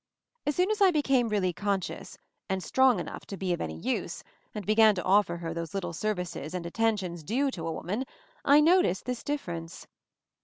As soon as I became really conscious, and strong enough to be of any use, and began to offer her those little services and attentions due to a woman, I noticed this difference.